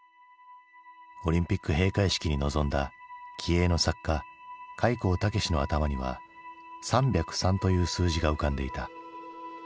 オリンピック閉会式に臨んだ気鋭の作家開高健の頭には３０３という数字が浮かんでいた。